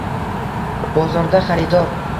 Bozorda – xaridor